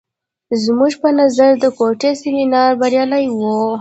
زموږ په نظر د کوټې سیمینار بریالی و.